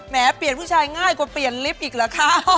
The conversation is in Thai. เปลี่ยนผู้ชายง่ายกว่าเปลี่ยนลิฟต์อีกเหรอคะ